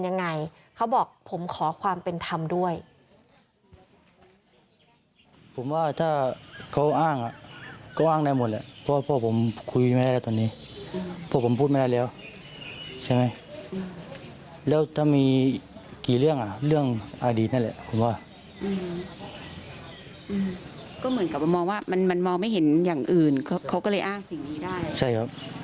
นักมันไม่ใช่เรื่องแบบธรรมดาเลย